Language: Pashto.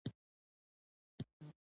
پیاله د انتظار شېبې شمېري.